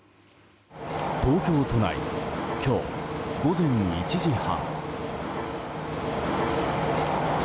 東京都内、今日午前１時半。